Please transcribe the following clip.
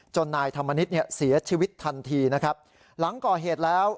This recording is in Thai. นายธรรมนิษฐ์เนี่ยเสียชีวิตทันทีนะครับหลังก่อเหตุแล้ว